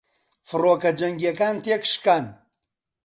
فڕۆکە جەنگیەکان تێکشکان